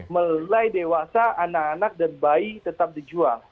mulai dewasa anak anak dan bayi tetap dijual